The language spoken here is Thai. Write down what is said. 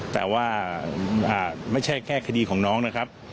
แต่ว่าไม่ใช่แค่คดีของน้องนะครับ